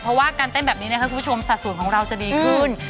เพราะว่าการเต้นแบบนี้นะครับคุณผู้ชมสัดส่วนของเราจะดีขึ้น